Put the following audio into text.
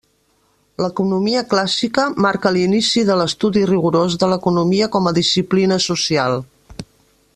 L'economia clàssica marca l'inici de l'estudi rigorós de l'economia com a disciplina social.